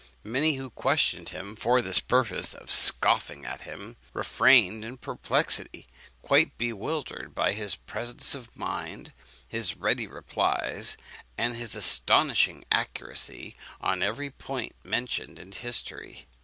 Many who questioned him for the purpose of scoffing at him, refrained in perplexity, quite bewildered by his presence of mind, his ready replies, and his astonishing accuracy on every point mentioned in history.